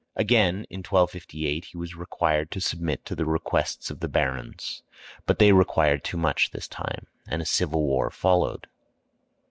Again, in 1258, he was required to submit to the requests of the barons; but they required too much this time, and a civil war followed.